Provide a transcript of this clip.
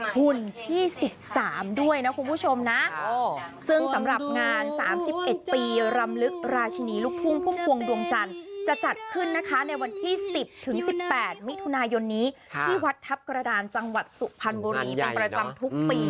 หุ่นที่๑๓ด้วยนะคุณผู้ชมนะซึ่งสำหรับงาน๓๑ปีรำลึกราชินีลูกทุ่งพุ่มพวงดวงจันทร์จะจัดขึ้นนะคะในวันที่๑๐๑๘มิถุนายนนี้ที่วัดทัพกระดานจังหวัดสุพรรณบุรีเป็นประจำทุกปี